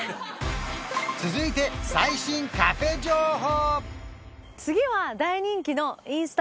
続いて最新カフェ情報！